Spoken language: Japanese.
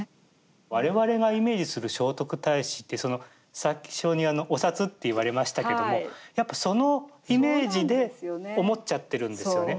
我々がイメージする聖徳太子ってさっきお札って言われましたけどもやっぱそのイメージで思っちゃってるんですよね。